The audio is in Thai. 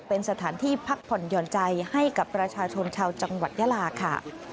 เป็นสถานที่พักผ่อนหย่อนใจให้กับประชาชนชาวจังหวัดยาลาค่ะ